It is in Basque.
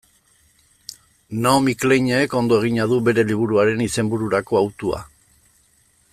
Naomi Kleinek ondo egina du bere liburuaren izenbururako hautua.